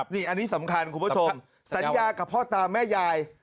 นี่อันนี้สำคัญคุณผู้ชมสัญญากับพ่อตาแม่ยาย